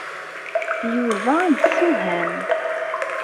Yuba yesewham.